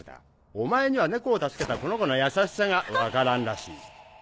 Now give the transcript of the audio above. お前には猫を助けたこのコの優しさが分からんらしい。